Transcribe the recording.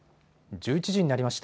１１時になりました。